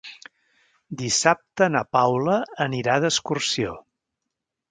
Dissabte na Paula anirà d'excursió.